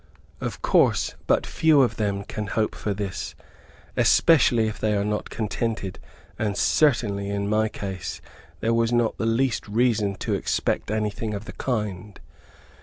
Of course, but few of them can hope for this, especially, if they are not contented; and certainly, in my case there was not the least reason to expect anything of the kind.